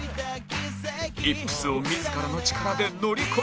イップスを自らの力で乗り越えられるか？